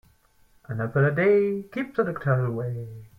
An apple a day keeps the doctor away.